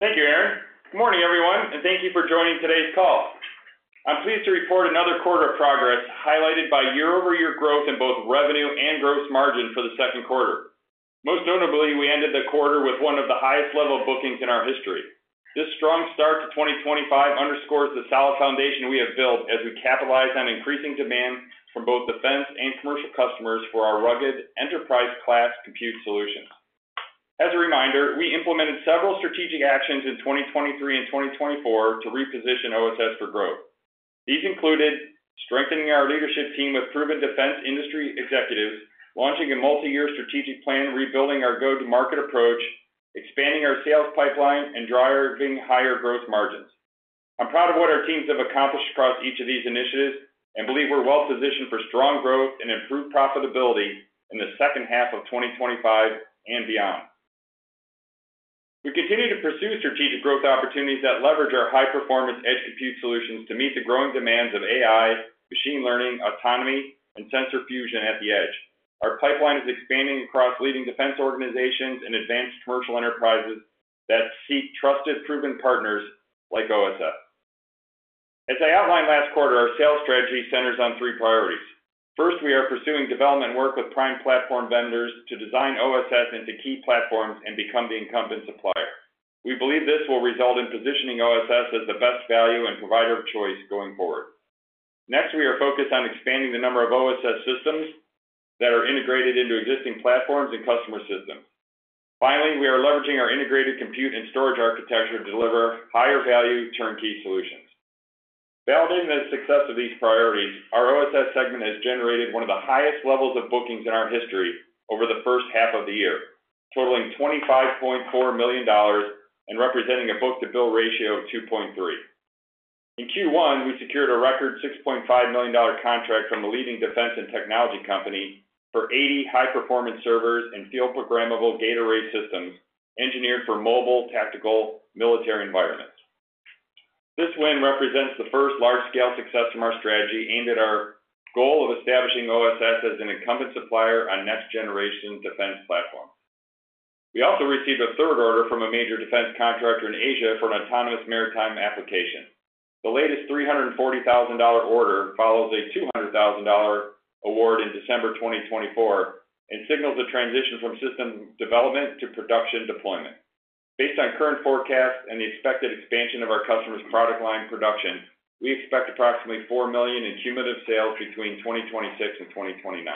Thank you, Aaron. Good morning, everyone, and thank you for joining today's call. I'm pleased to report another quarter of progress highlighted by year-over-year growth in both revenue and gross margin for the second quarter. Most notably, we ended the quarter with one of the highest level bookings in our history. This strong start to 2025 underscores the solid foundation we have built as we capitalize on increasing demand from both defense and commercial customers for our rugged enterprise class compute solutions. As a reminder, we implemented several strategic actions in 2023 and 2024 to reposition OSS for growth. These included strengthening our leadership team with proven defense industry executives, launching a multi-year strategic plan, rebuilding our go-to-market approach, expanding our sales pipeline, and driving higher gross margins. I'm proud of what our teams have accomplished across each of these initiatives and believe we're well-positioned for strong growth and improved profitability in the second half of 2025 and beyond. We continue to pursue strategic growth opportunities that leverage our high-performance edge compute solutions to meet the growing demands of AI, machine learning, autonomy, and sensor fusion at the edge. Our pipeline is expanding across leading defense organizations and advanced commercial enterprises that seek trusted, proven partners like OSS. As I outlined last quarter, our sales strategy centers on three priorities. First, we are pursuing development work with prime platform vendors to design OSS into key platforms and become the incumbent supplier. We believe this will result in positioning OSS as the best value and provider of choice going forward. Next, we are focused on expanding the number of OSS systems that are integrated into existing platforms and customer systems. Finally, we are leveraging our integrated compute and storage architecture to deliver higher-value turnkey solutions. Validating the success of these priorities, our OSS segment has generated one of the highest levels of bookings in our history over the first half of the year, totaling $25.4 million and representing a book-to-bill ratio of 2.3. In Q1, we secured a record $6.5 million contract from a leading defense and technology company for 80 high-performance servers and field-programmable gate array systems engineered for mobile, tactical, military environments. This win represents the first large-scale success from our strategy aimed at our goal of establishing OSS as an incumbent supplier on next-generation defense platforms. We also received a third order from a major defense contractor in Asia for an autonomous maritime application. The latest $340,000 order follows a $200,000 award in December 2024 and signals a transition from system development to production deployment. Based on current forecasts and the expected expansion of our customer's product line production, we expect approximately $4 million in cumulative sales between 2026 and 2029.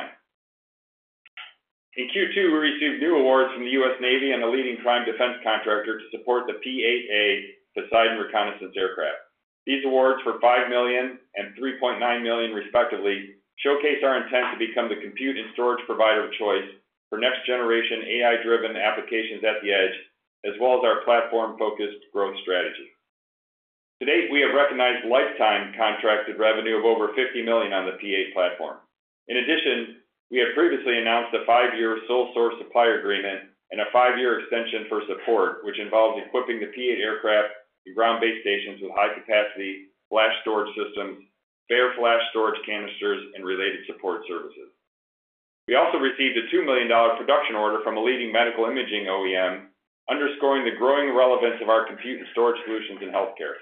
In Q2, we received new awards from the U.S. Navy and a leading prime defense contractor to support the P-8A Poseidon reconnaissance aircraft. These awards, for $5 million and $3.9 million respectively, showcase our intent to become the compute and storage provider of choice for next-generation AI-driven applications at the edge, as well as our platform-focused growth strategy. To date, we have recognized lifetime contracted revenue of over $50 million on the P-8 platform. In addition, we had previously announced a five-year sole-source supplier agreement and a five-year extension for support, which involves equipping the P-8 aircraft and ground-based stations with high-capacity flash storage systems, spare flash storage canisters, and related support services. We also received a $2 million production order from a leading medical imaging OEM, underscoring the growing relevance of our compute and storage solutions in healthcare.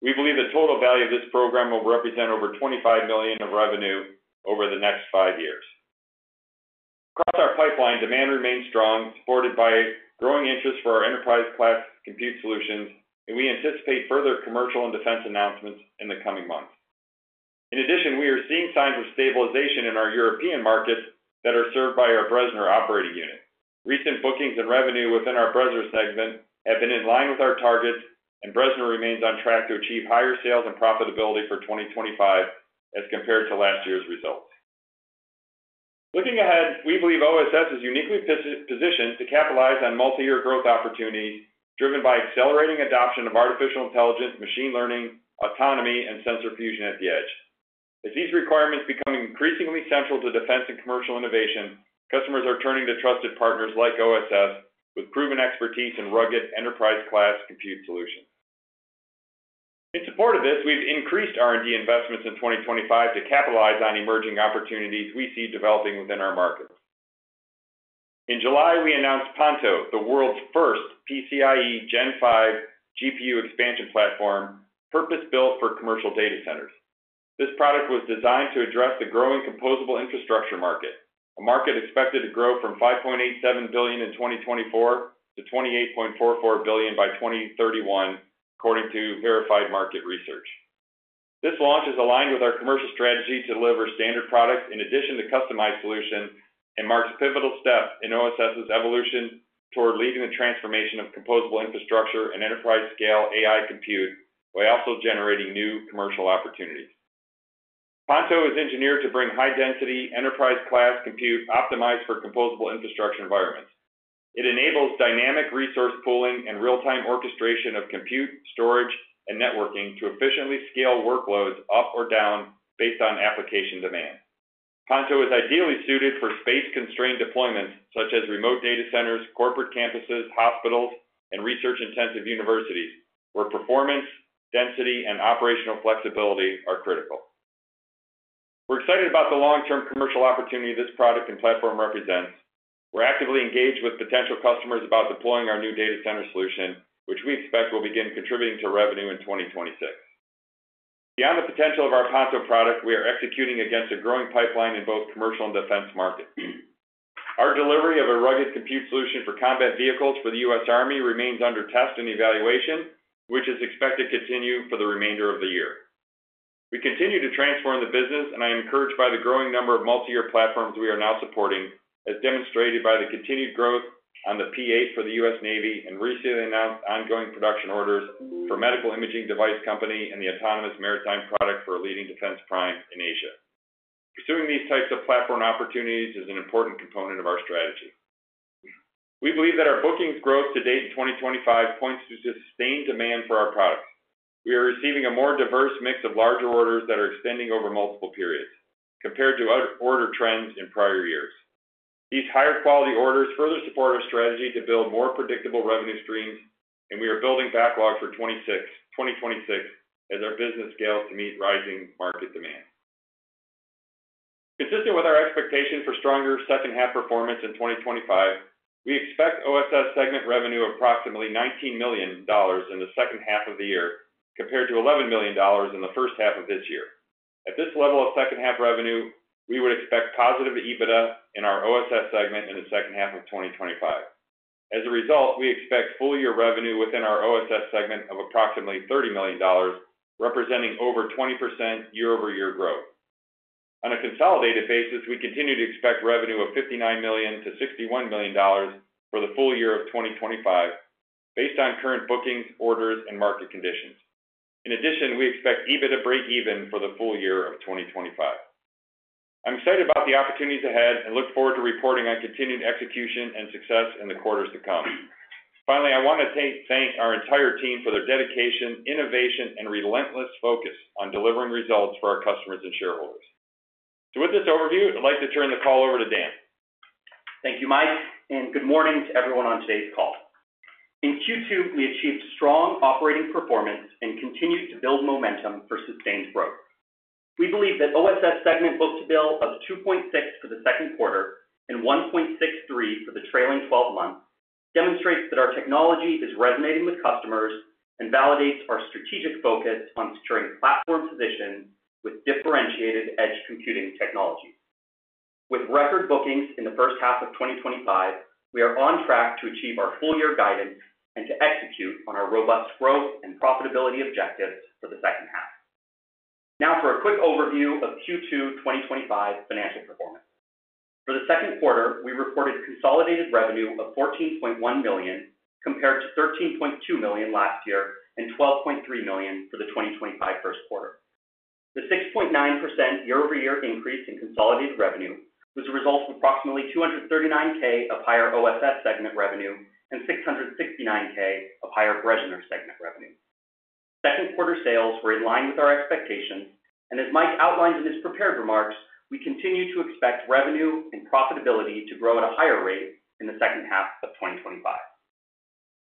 We believe the total value of this program will represent over $25 million in revenue over the next five years. Across our pipeline, demand remains strong, supported by growing interest for our rugged enterprise class compute solutions, and we anticipate further commercial and defense announcements in the coming months. In addition, we are seeing signs of stabilization in our European markets that are served by our BRESSNER operating unit. Recent bookings and revenue within our BRESSNER segment have been in line with our targets, and BRESSNER remains on track to achieve higher sales and profitability for 2025 as compared to last year's results. Looking ahead, we believe OSS is uniquely positioned to capitalize on multi-year growth opportunity driven by accelerating adoption of AI, machine learning, autonomy, and sensor fusion at the edge. As these requirements become increasingly central to defense and commercial innovation, customers are turning to trusted partners like OSS with proven expertise in rugged enterprise-class compute solutions. In support of this, we've increased R&D investments in 2025 to capitalize on emerging opportunities we see developing within our market. In July, we announced Ponto, the world's first PCIe Gen 5 GPU expansion platform purpose-built for commercial data centers. This product was designed to address the growing composable infrastructure market, a market expected to grow from $5.87 billion in 2024 to $28.44 billion by 2031, according to Verified Market Research. This launch is aligned with our commercial strategy to deliver standard products in addition to customized solutions and marks a pivotal step in OSS's evolution toward leading the transformation of composable infrastructure and enterprise-scale AI compute while also generating new commercial opportunities. Ponto is engineered to bring high-density enterprise-class compute optimized for composable infrastructure environments. It enables dynamic resource pooling and real-time orchestration of compute, storage, and networking to efficiently scale workloads up or down based on application demand. Ponto is ideally suited for space-constrained deployments such as remote data centers, corporate campuses, hospitals, and research-intensive universities where performance, density, and operational flexibility are critical. We're excited about the long-term commercial opportunity this product and platform represents. We're actively engaged with potential customers about deploying our new data center solution, which we expect will begin contributing to revenue in 2026. Beyond the potential of our Ponto product, we are executing against a growing pipeline in both commercial and defense markets. Our delivery of a rugged compute solution for combat vehicles for the U.S. Army remains under test and evaluation, which is expected to continue for the remainder of the year. We continue to transform the business, and I'm encouraged by the growing number of multi-year platforms we are now supporting, as demonstrated by the continued growth on the P-8 for the U.S. Navy and recently announced ongoing production orders for a medical imaging device company and the autonomous maritime product for a leading defense prime in Asia. Pursuing these types of platform opportunities is an important component of our strategy. We believe that our bookings growth to date in 2025 points to sustained demand for our product. We are receiving a more diverse mix of larger orders that are extending over multiple periods compared to order trends in prior years. These higher-quality orders further support our strategy to build more predictable revenue streams, and we are building backlogs for 2026 as our business scales to meet rising market demand. Consistent with our expectation for stronger second-half performance in 2025, we expect OSS's segment revenue of approximately $19 million in the second half of the year compared to $11 million in the first half of this year. At this level of second-half revenue, we would expect positive EBITDA in our OSS segment in the second half of 2025. As a result, we expect full-year revenue within our OSS segment of approximately $30 million, representing over 20% year-over-year growth. On a consolidated basis, we continue to expect revenue of $59 million-$61 million for the full year of 2025 based on current bookings, orders, and market conditions. In addition, we expect EBITDA break even for the full year of 2025. I'm excited about the opportunities ahead and look forward to reporting on continued execution and success in the quarters to come. Finally, I want to thank our entire team for their dedication, innovation, and relentless focus on delivering results for our customers and shareholders. With this overview, I'd like to turn the call over to Dan. Thank you, Mike, and good morning to everyone on today's call. In Q2, we achieved strong operating performance and continued to build momentum for sustained growth. We believe that OSS's segment book-to-bill of 2.6 for the second quarter and 1.63 for the trailing 12 months demonstrates that our technology is resonating with customers and validates our strategic focus on securing platform positions with differentiated edge computing technology. With record bookings in the first half of 2025, we are on track to achieve our full-year guidance and to execute on our robust growth and profitability objectives for the second half. Now for a quick overview of Q2 2025 financial performance. For the second quarter, we reported consolidated revenue of $14.1 million compared to $13.2 million last year and $12.3 million for the 2025 first quarter. The 6.9% year-over-year increase in consolidated revenue was a result of approximately $239,000 of higher OSS segment revenue and $669,000 of higher BRESSNER segment revenue. Second quarter sales were in line with our expectations, and as Mike outlined in his prepared remarks, we continue to expect revenue and profitability to grow at a higher rate in the second half of 2025.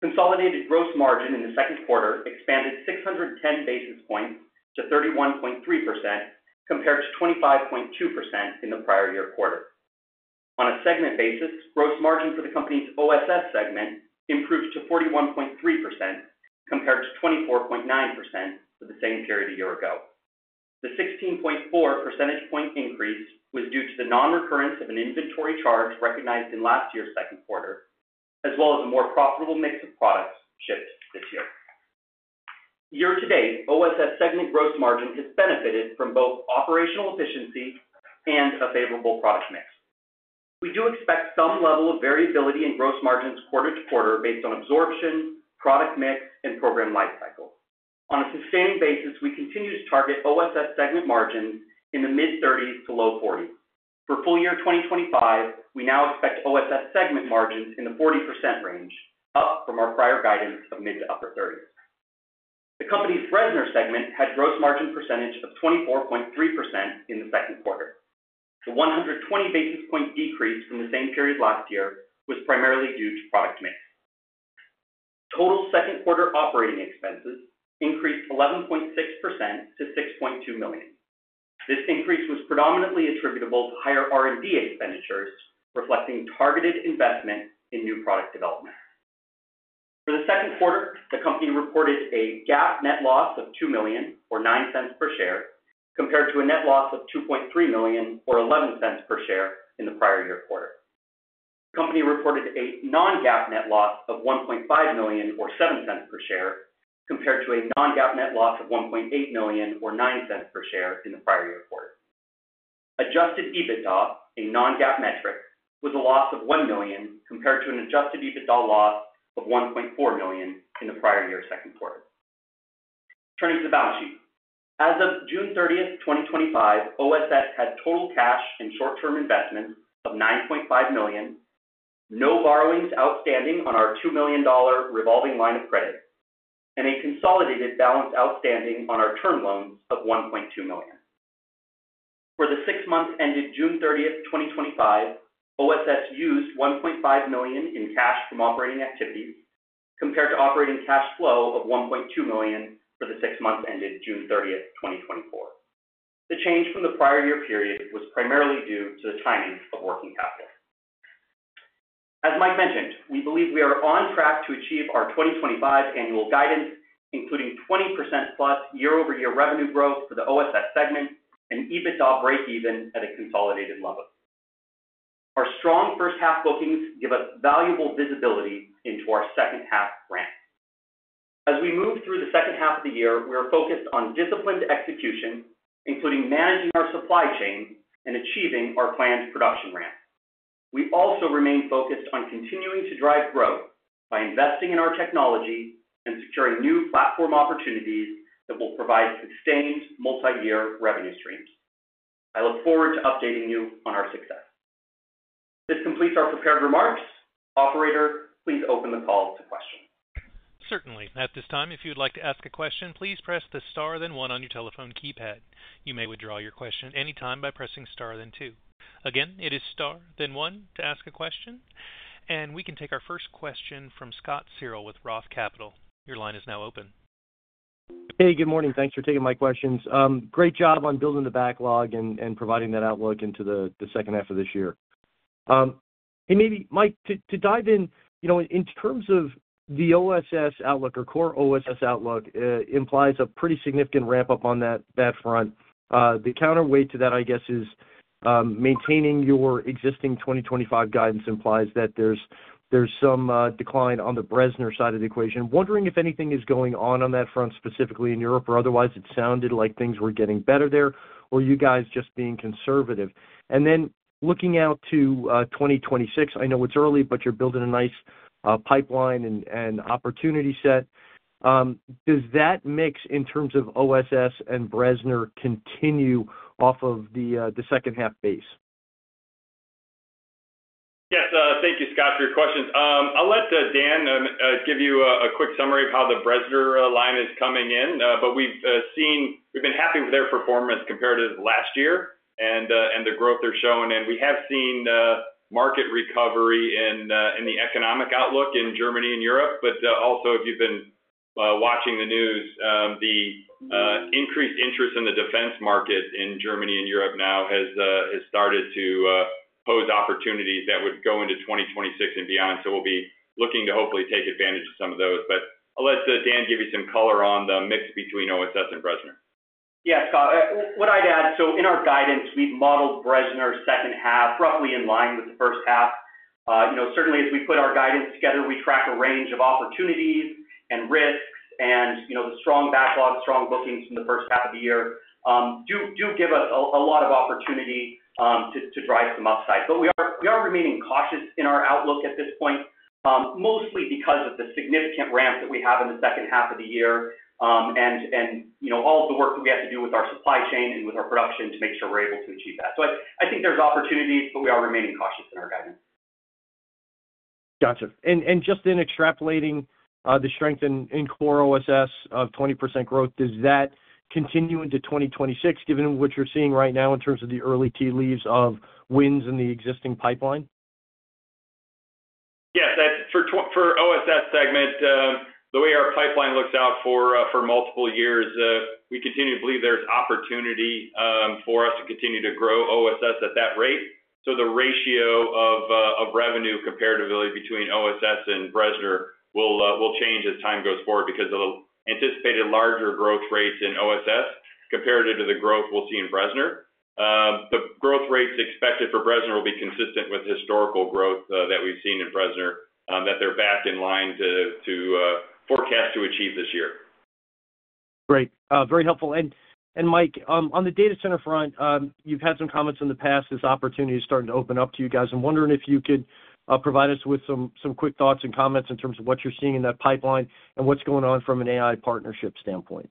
Consolidated gross margin in the second quarter expanded 610 basis points to 31.3% compared to 25.2% in the prior year quarter. On a segment basis, gross margin for the company's OSS segment improved to 41.3% compared to 24.9% for the same period a year ago. The 16.4 percentage point increase was due to the non-recurrence of an inventory charge recognized in last year's second quarter, as well as a more profitable mix of products shipped this year. Year to date, OSS's segment gross margin has benefited from both operational efficiency and a favorable product mix. We do expect some level of variability in gross margins quarter to quarter based on absorption, product mix, and program lifecycle. On a sustained basis, we continue to target OSS segment margins in the mid-30s to low 40s. For full year 2025, we now expect OSS segment margins in the 40% range, up from our prior guidance of mid to upper 30s. The company's BRESSNER segment had a gross margin percentage of 24.3% in the second quarter. The 120 basis point decrease from the same period last year was primarily due to product mix. Total second quarter operating expenses increased 11.6% to $6.2 million. This increase was predominantly attributable to higher R&D expenditures, reflecting targeted investment in new product development. For the second quarter, the company reported a GAAP net loss of $2 million or $0.09 per share compared to a net loss of $2.3 million or $0.11 per share in the prior year quarter. The company reported a non-GAAP net loss of $1.5 million or $0.07 per share compared to a non-GAAP net loss of $1.8 million or $0.09 per share in the prior year quarter. Adjusted EBITDA, a non-GAAP metric, was a loss of $1 million compared to an adjusted EBITDA loss of $1.4 million in the prior year's second quarter. Turning to the balance sheet. As of June 30, 2025, OSS had total cash and short-term investments of $9.5 million, no borrowings outstanding on our $2 million revolving line of credit, and a consolidated balance outstanding on our term loan of $1.2 million. For the six months ended June 30, 2025, OSS used $1.5 million in cash from operating activities compared to operating cash flow of $1.2 million for the six months ended June 30, 2024. The change from the prior year period was primarily due to the timing of working capital. As Mike mentioned, we believe we are on track to achieve our 2025 annual guidance, including 20%+ year-over-year revenue growth for the OSS segment and EBITDA break even at a consolidated level. Our strong first half bookings give us valuable visibility into our second half ramp. As we move through the second half of the year, we are focused on disciplined execution, including managing our supply chain and achieving our planned production ramp. We also remain focused on continuing to drive growth by investing in our technology and securing new platform opportunities that will provide sustained multi-year revenue streams. I look forward to updating you on our success. This completes our prepared remarks. Operator, please open the call to questions. Certainly. At this time, if you would like to ask a question, please press the star, then one on your telephone keypad. You may withdraw your question any time by pressing star, then two. Again, it is star, then one to ask a question. We can take our first question from Scott Searle with ROTH Capital. Your line is now open. Hey, good morning. Thanks for taking my questions. Great job on building the backlog and providing that outlook into the second half of this year. Maybe Mike, to dive in, you know, in terms of the OSS outlook or core OSS outlook, it implies a pretty significant ramp up on that front. The counterweight to that, I guess, is maintaining your existing 2025 guidance implies that there's some decline on the BRESSNER side of the equation. Wondering if anything is going on on that front specifically in Europe or otherwise. It sounded like things were getting better there. Are you guys just being conservative? Looking out to 2026, I know it's early, but you're building a nice pipeline and opportunity set. Does that mix in terms of OSS and BRESSNER continue off of the second half base? Yes, thank you, Scott, for your questions. I'll let Dan give you a quick summary of how the BRESSNER line is coming in. We've been happy with their performance compared to last year and the growth they're showing. We have seen market recovery in the economic outlook in Germany and Europe. If you've been watching the news, the increased interest in the defense market in Germany and Europe now has started to pose opportunities that would go into 2026 and beyond. We'll be looking to hopefully take advantage of some of those. I'll let Dan give you some color on the mix between OSS and BRESSNER. Yes, Scott. What I'd add, so in our guidance, we've modeled the BRESSNER's second half roughly in line with the first half. Certainly, as we put our guidance together, we track a range of opportunities and risks. The strong backlog, strong bookings from the first half of the year do give a lot of opportunity to drive some upside. We are remaining cautious in our outlook at this point, mostly because of the significant ramp that we have in the second half of the year and all of the work that we have to do with our supply chain and with our production to make sure we're able to achieve that. I think there's opportunities, but we are remaining cautious in our guidance. Gotcha. In extrapolating the strength in core OSS of 20% growth, does that continue into 2026, given what you're seeing right now in terms of the early tea leaves of wins in the existing pipeline? Yes, that's for OSS segment. The way our pipeline looks out for multiple years, we continue to believe there's opportunity for us to continue to grow OSS at that rate. The ratio of revenue comparatively between OSS and BRESSNER will change as time goes forward because of the anticipated larger growth rates in OSS compared to the growth we'll see in BRESSNER. The growth rates expected for BRESSNER will be consistent with historical growth that we've seen in BRESSNER that they're back in line to forecast to achieve this year. Great. Very helpful. Mike, on the data center front, you've had some comments in the past as opportunities started to open up to you guys. I'm wondering if you could provide us with some quick thoughts and comments in terms of what you're seeing in that pipeline and what's going on from an AI partnership standpoint.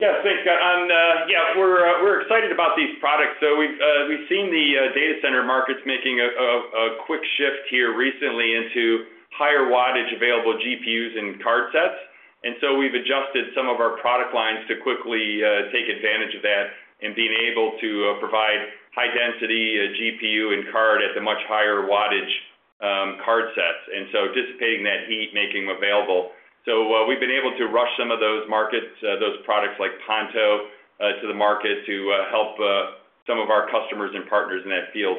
Yeah, yeah, we're excited about these products. We've seen the data center markets making a quick shift here recently into higher wattage available GPUs and card sets. We've adjusted some of our product lines to quickly take advantage of that and being able to provide high-density GPU and card at the much higher wattage card sets, dissipating that heat, making them available. We've been able to rush some of those markets, those products like Ponto to the market to help some of our customers and partners in that field.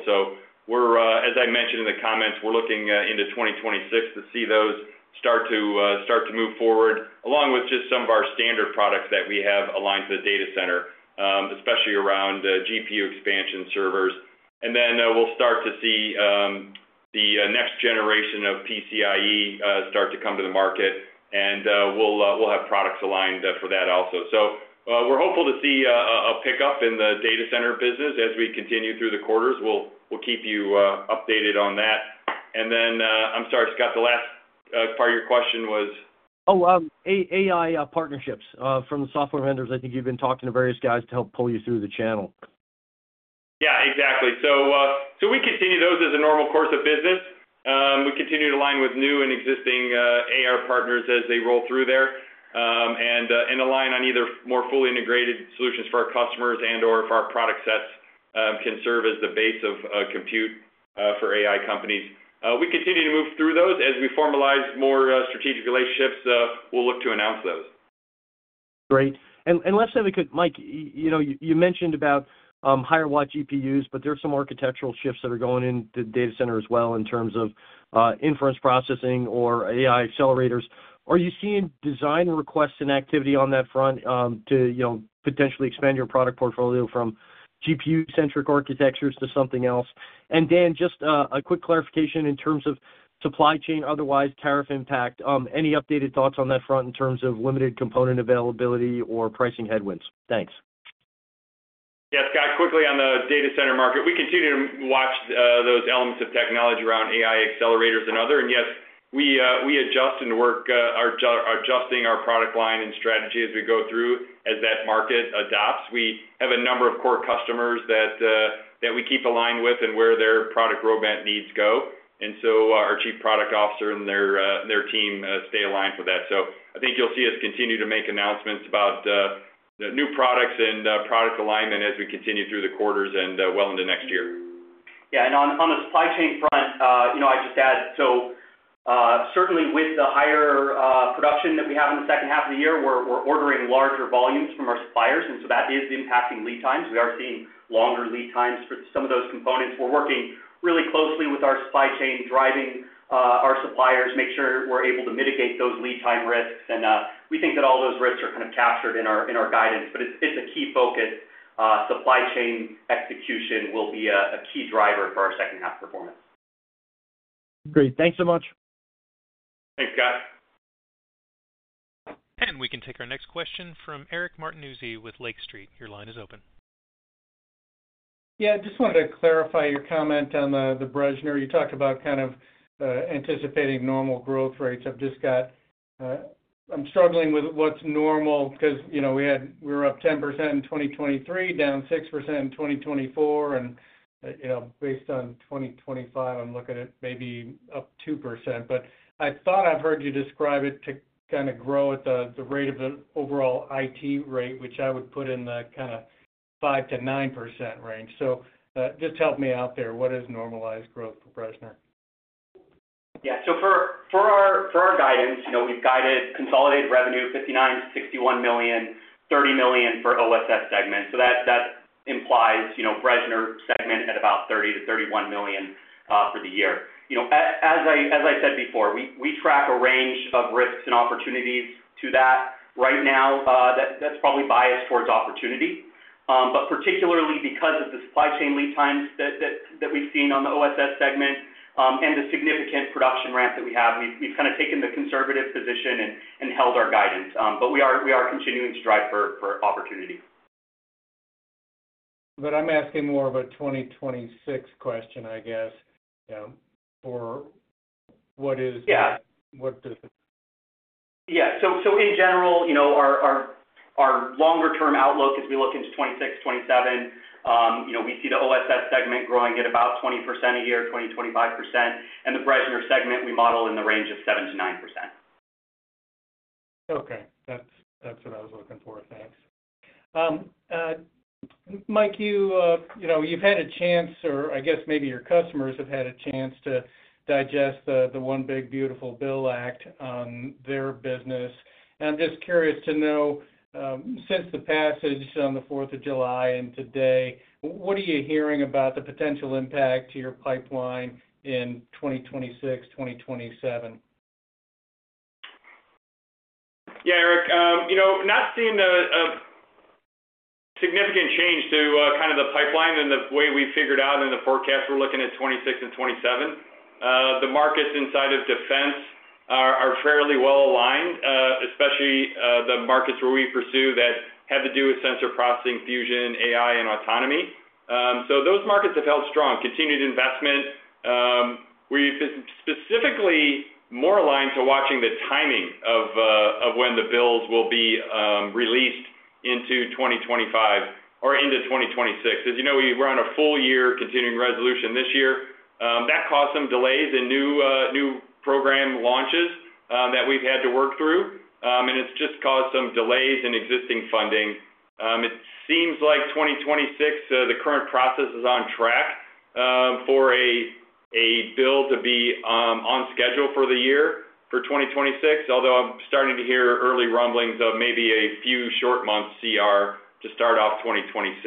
As I mentioned in the comments, we're looking into 2026 to see those start to move forward, along with just some of our standard products that we have aligned to the data center, especially around GPU expansion servers. We'll start to see the next generation of PCIe start to come to the market, and we'll have products aligned for that also. We're hopeful to see a pickup in the data center business as we continue through the quarters. We'll keep you updated on that. I'm sorry, Scott, the last part of your question was? Oh, AI partnerships from the software vendors. I think you've been talking to various guys to help pull you through the channel. Exactly. We continue those as a normal course of business. We continue to align with new and existing AI partners as they roll through there, and align on either more fully integrated solutions for our customers and/or for our product sets that can serve as the base of compute for AI companies. We continue to move through those. As we formalize more strategic relationships, we'll look to announce those. Great. Last thing, Mike, you mentioned higher wattage GPUs, but there are some architectural shifts going into the data center as well in terms of inference processing or AI accelerators. Are you seeing design requests and activity on that front to potentially expand your product portfolio from GPU-centric architectures to something else? Dan, just a quick clarification in terms of supply chain, otherwise tariff impact, any updated thoughts on that front in terms of limited component availability or pricing headwinds? Thanks. Yeah, Scott, quickly on the data center market, we continue to watch those elements of technology around AI accelerators and other. Yes, we adjust and work, adjusting our product line and strategy as we go through, as that market adopts. We have a number of core customers that we keep aligned with and where their product roadmap needs go. Our Chief Product Officer and their team stay aligned with that. I think you'll see us continue to make announcements about the new products and product alignment as we continue through the quarters and well into next year. Yeah, on the supply chain front, I just asked, certainly with the higher production that we have in the second half of the year, we're ordering larger volumes from our suppliers. That is impacting lead times. We are seeing longer lead times for some of those components. We're working really closely with our supply chain, driving our suppliers to make sure we're able to mitigate those lead time risks. We think that all those risks are kind of captured in our guidance. It's a key focus. Supply chain execution will be a key driver for our second half performance. Great, thanks so much. Thanks, Scott. We can take our next question from Eric Martinuzzi with Lake Street. Your line is open. Yeah, I just wanted to clarify your comment on the BRESSNER. You talked about kind of anticipating normal growth rates. I'm struggling with what's normal because, you know, we were up 10% in 2023, down 6% in 2024, and based on 2025, I'm looking at maybe up 2%. I thought I've heard you describe it to kind of grow at the rate of the overall IT rate, which I would put in the 5%-9% range. Just help me out there. What is normalized growth for BRESSNER? Yeah, so for our guidance, you know, we've guided consolidated revenue $59 million-$61 million, $30 million for the OSS segment. That implies, you know, BRESSNER segment at about $30 million-$31 million for the year. As I said before, we track a range of risks and opportunities to that. Right now, that's probably biased towards opportunity, particularly because of the supply chain lead times that we've seen on the OSS segment and the significant production ramp that we have. We've kind of taken the conservative position and held our guidance. We are continuing to strive for opportunity. I'm asking more of a 2026 question, I guess. For what is, yeah, what does it? Yeah, so in general, you know, our longer-term outlook as we look into 2026, 2027, you know, we see the OSS segment growing at about 20% a year, 20%-25%. The BRESSNER segment we model in the range of 7%-9%. Okay, that's what I was looking for. Thanks. Mike, you've had a chance, or I guess maybe your customers have had a chance to digest the One Big Beautiful Bill Act on their business. I'm just curious to know, since the passage on the 4th of July and today, what are you hearing about the potential impact to your pipeline in 2026, 2027? Yeah, Eric, you know, not seeing a significant change to kind of the pipeline than the way we figured out in the forecast. We're looking at 2026 and 2027. The markets inside of defense are fairly well aligned, especially the markets where we pursue that have to do with sensor processing, fusion, AI, and autonomy. Those markets have held strong. Continued investment. We've been specifically more aligned to watching the timing of when the bills will be released into 2025 or into 2026. As you know, we were on a full year continuing resolution this year. That caused some delays in new program launches that we've had to work through. It's just caused some delays in existing funding. It seems like 2026, the current process is on track for a bill to be on schedule for the year for 2026, although I'm starting to hear early rumblings of maybe a few short months CR to start off 2026.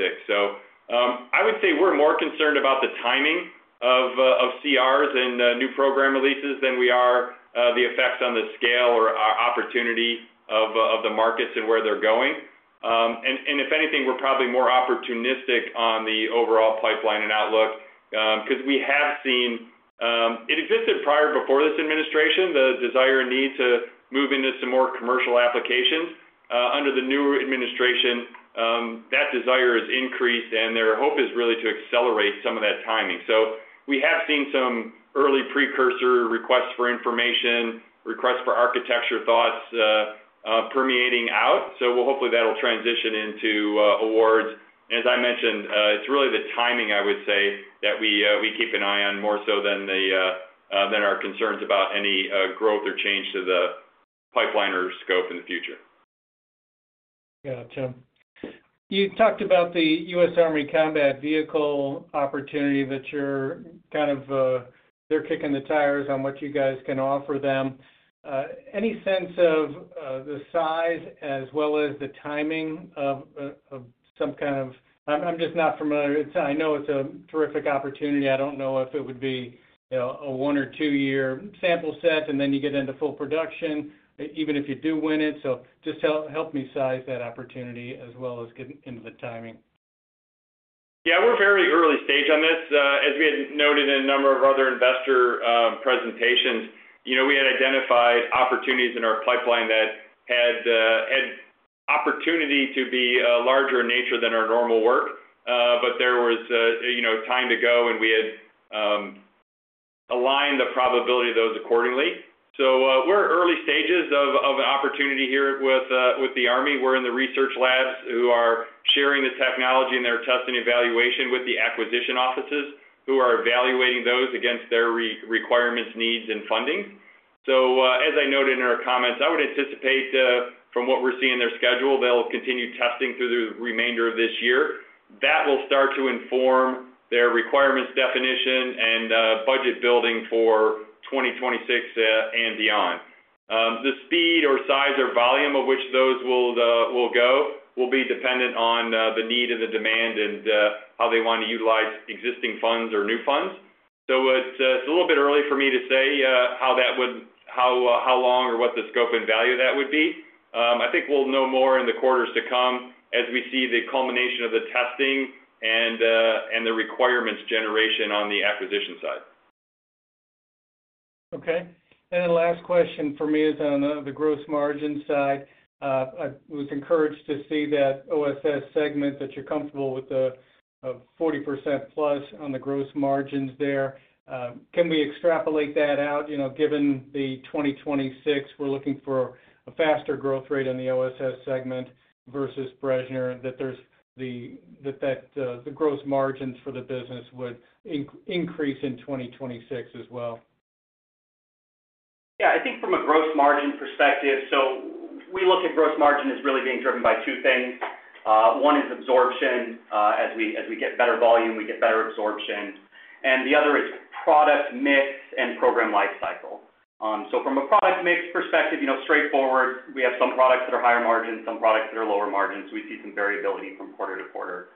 I would say we're more concerned about the timing of CRs and new program releases than we are the effects on the scale or opportunity of the markets and where they're going. If anything, we're probably more opportunistic on the overall pipeline and outlook because we have seen, it existed prior before this administration, the desire and need to move into some more commercial applications. Under the new administration, that desire has increased and their hope is really to accelerate some of that timing. We have seen some early precursor requests for information, requests for architecture thoughts permeating out. Hopefully that'll transition into awards. As I mentioned, it's really the timing, I would say, that we keep an eye on more so than our concerns about any growth or change to the pipeline or scope in the future. Yeah, you talked about the U.S. Army combat vehicle opportunity that you're kind of, they're kicking the tires on what you guys can offer them. Any sense of the size as well as the timing of some kind of, I'm just not familiar. I know it's a terrific opportunity. I don't know if it would be, you know, a one or two-year sample set and then you get into full production even if you do win it. Just help me size that opportunity as well as get into the timing. Yeah, we're very early stage on this. As we had noted in a number of other investor presentations, we had identified opportunities in our pipeline that had opportunity to be larger in nature than our normal work. There was time to go and we had aligned the probability of those accordingly. We're early stages of opportunity here with the Army. We're in the research labs who are sharing the technology and their test and evaluation with the acquisition offices who are evaluating those against their requirements, needs, and funding. As I noted in our comments, I would anticipate from what we're seeing in their schedule, they'll continue testing through the remainder of this year. That will start to inform their requirements definition and budget building for 2026 and beyond. The speed or size or volume of which those will go will be dependent on the need and the demand and how they want to utilize existing funds or new funds. It's a little bit early for me to say how that would, how long or what the scope and value of that would be. I think we'll know more in the quarters to come as we see the culmination of the testing and the requirements generation on the acquisition side. Okay. Last question for me is on the gross margin side. I was encouraged to see that OSS segment that you're comfortable with a 40%+ on the gross margins there. Can we extrapolate that out, given the 2026 we're looking for a faster growth rate in the OSS segment versus BRESSNER and that the gross margins for the business would increase in 2026 as well? Yeah, I think from a gross margin perspective, we look at gross margin as really being driven by two things. One is absorption. As we get better volume, we get better absorption. The other is product mix and program lifecycle. From a product mix perspective, straightforward, we have some products that are higher margins, some products that are lower margins. We see some variability from quarter to quarter.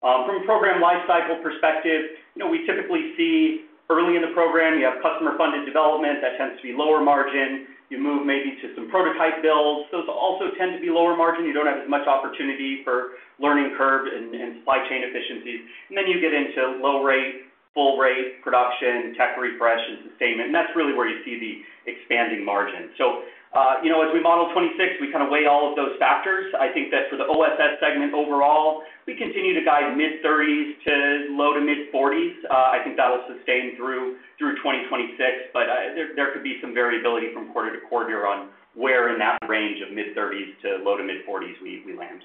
From a program lifecycle perspective, we typically see early in the program, you have customer-funded development that tends to be lower margin. You move maybe to some prototype builds. Those also tend to be lower margin. You don't have as much opportunity for learning curve and supply chain efficiency. You get into low rate, full rate production, tech refresh, and sustainment. That's really where you see the expanding margins. As we model 2026, we kind of weigh all of those factors. I think that for the OSS segment overall, we continue to guide mid-30% to low to mid-40%. I think that will sustain through 2026. There could be some variability from quarter to quarter on where in that range of mid-30% to low to mid-40% we land.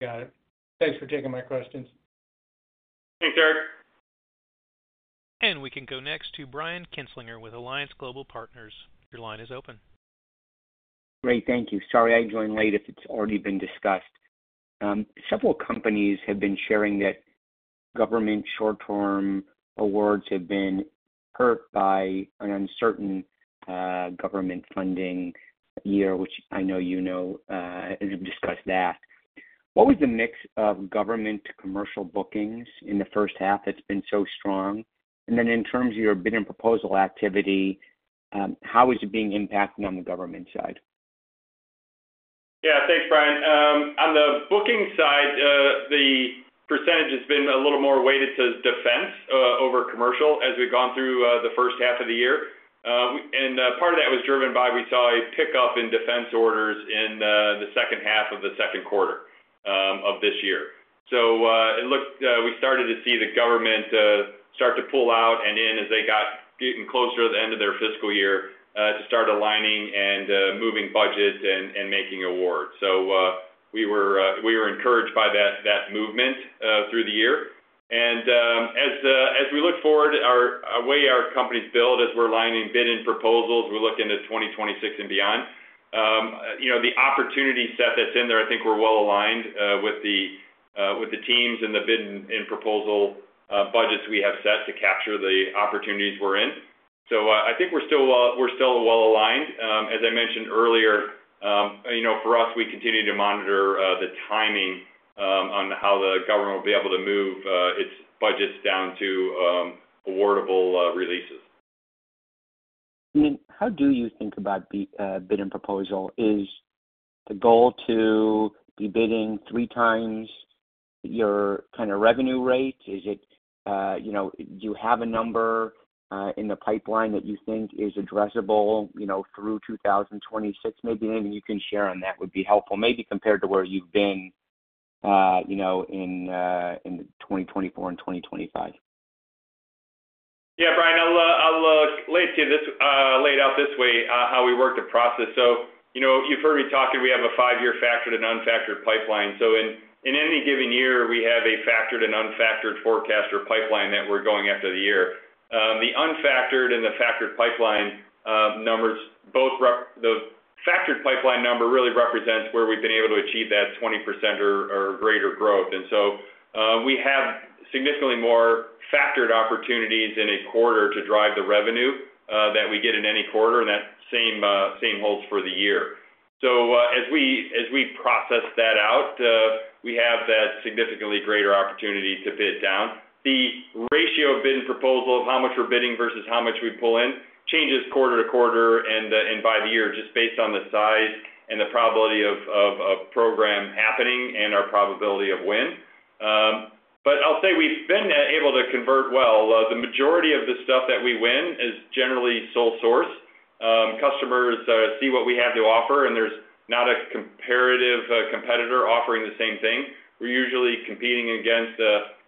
Got it. Thanks for taking my questions. Thanks, Eric. We can go next to Brian Kinstlinger with Alliance Global Partners. Your line is open. Great, thank you. Sorry I joined late if it's already been discussed. Several companies have been sharing that government short-term awards have been hurt by an uncertain government funding year, which I know you know and have discussed that. What was the mix of government to commercial bookings in the first half that's been so strong? In terms of your bid and proposal activity, how is it being impacted on the government side? Yeah, thanks, Brian. On the booking side, the percentage has been a little more weighted to defense over commercial as we've gone through the first half of the year. Part of that was driven by we saw a pickup in defense orders in the second half of the second quarter of this year. It looked we started to see the government start to pull out and in as they got getting closer to the end of their fiscal year to start aligning and moving budget and making awards. We were encouraged by that movement through the year. As we look forward, the way our companies build as we're aligning bid and proposals, we're looking at 2026 and beyond. You know, the opportunity set that's in there, I think we're well aligned with the teams and the bid and proposal budgets we have set to capture the opportunities we're in. I think we're still well aligned. As I mentioned earlier, for us, we continue to monitor the timing on how the government will be able to move its budgets down to awardable releases. How do you think about the bid and proposal? Is the goal to be bidding three times your kind of revenue rates? Is it, do you have a number in the pipeline that you think is addressable through 2026? Maybe anything you can share on that would be helpful, maybe compared to where you've been in 2024 and 2025. Yeah, Brian, I'll let you lay it out this way, how we work the process. You've heard me talking, we have a five-year factored and unfactored pipeline. In any given year, we have a factored and unfactored forecast or pipeline that we're going after for the year. The unfactored and the factored pipeline numbers, both, the factored pipeline number really represents where we've been able to achieve that 20% or greater growth. We have significantly more factored opportunities in a quarter to drive the revenue that we get in any quarter, and that same holds for the year. As we process that out, we have that significantly greater opportunity to bid down. The ratio of bid and proposal, of how much we're bidding versus how much we pull in, changes quarter to quarter and by the year, just based on the size and the probability of a program happening and our probability of win. I'll say we've been able to convert well. The majority of the stuff that we win is generally sole source. Customers see what we have to offer, and there's not a comparative competitor offering the same thing. We're usually competing against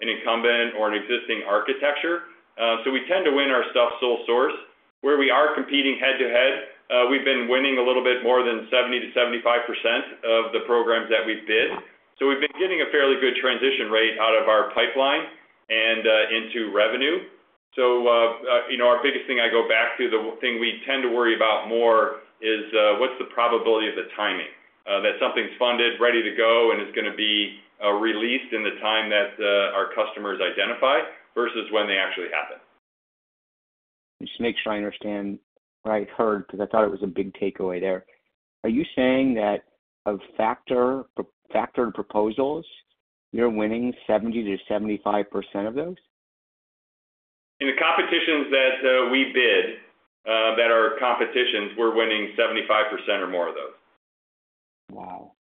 an incumbent or an existing architecture. We tend to win our stuff sole source. Where we are competing head-to-head, we've been winning a little bit more than 70%-75% of the programs that we've bid. We've been getting a fairly good transition rate out of our pipeline and into revenue. Our biggest thing I go back to, the thing we tend to worry about more, is what's the probability of the timing that something's funded, ready to go, and is going to be released in the time that our customers identify versus when they actually happen. Just to make sure I understand what I heard, because I thought it was a big takeaway there. Are you saying that of factored proposals, you're winning 70%-75% of those? In the competitions that we bid, that are competitions, we're winning 75% or more of those. Wow.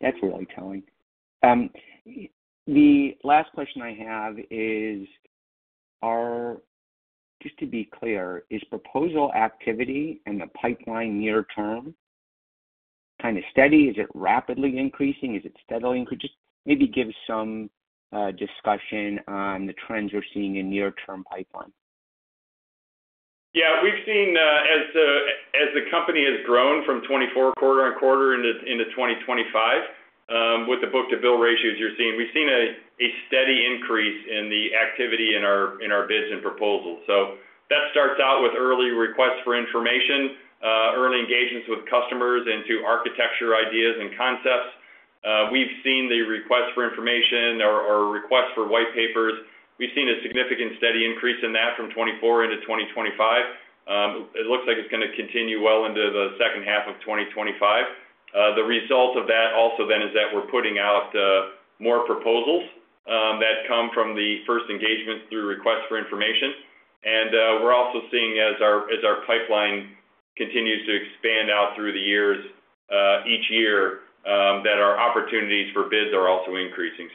That's really telling. The last question I have is, just to be clear, is proposal activity in the pipeline near-term kind of steady? Is it rapidly increasing? Is it steadily increasing? Just maybe give some discussion on the trends you're seeing in near-term pipeline. Yeah, we've seen, as the company has grown from 2024 quarter on quarter into 2025, with the book-to-bill ratios you're seeing, we've seen a steady increase in the activity in our bids and proposals. That starts out with early requests for information, early engagements with customers into architecture ideas and concepts. We've seen the requests for information or requests for white papers. We've seen a significant steady increase in that from 2024 into 2025. It looks like it's going to continue well into the second half of 2025. The result of that also is that we're putting out more proposals that come from the first engagement through requests for information. We're also seeing, as our pipeline continues to expand out through the years, each year, that our opportunities for bids are also increasing.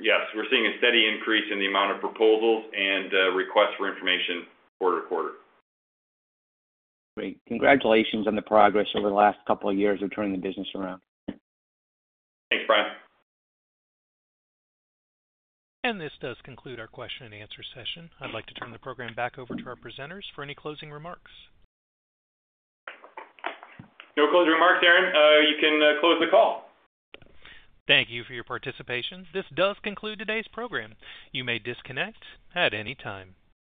Yes, we're seeing a steady increase in the amount of proposals and requests for information quarter to quarter. Great. Congratulations on the progress over the last couple of years of turning the business around. Thanks, Brian. This does conclude our question and answer session. I'd like to turn the program back over to our presenters for any closing remarks. No closing remarks, Aaron. You can close the call. Thank you for your participation. This does conclude today's program. You may disconnect at any time.